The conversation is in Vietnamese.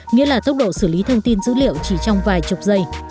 nghĩa là tốc độ xử lý thông tin dữ liệu chỉ trong vài chục giây